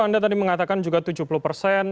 anda tadi mengatakan juga tujuh puluh persen